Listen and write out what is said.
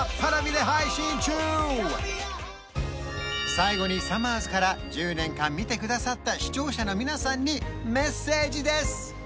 最後にさまぁずから１０年間見てくださった視聴者の皆さんにメッセージです